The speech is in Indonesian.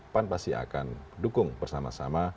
pan pasti akan dukung bersama sama